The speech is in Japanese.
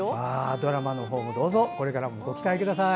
ドラマの方もどうぞこれからもご期待ください。